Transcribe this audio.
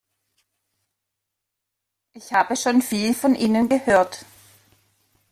Ich habe schon viel von Ihnen gehört.